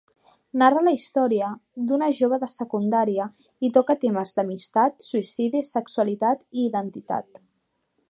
Narra la història d'una jove de secundària i toca temes d'amistat, suïcidi, sexualitat i identitat.